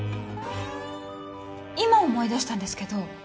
今思い出したんですけど。